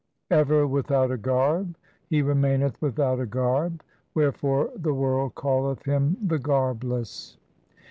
Ever without a garb He remaineth without a garb ; Wherefore the world calleth Him the Garbless.